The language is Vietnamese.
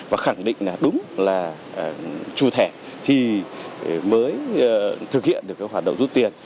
và khẳng định là đúng là chụp thẻ thì mới thực hiện được cái hoạt động giúp tiền